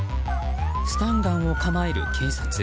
スタンガンを構える警察。